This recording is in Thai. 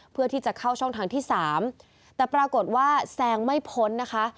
เพื่อที่จะเข้าช่องทางที่สามแต่ปรากฏว่าแซงไม่พ้นนะคะ